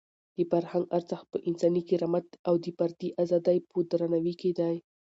د فرهنګ ارزښت په انساني کرامت او د فردي ازادۍ په درناوي کې دی.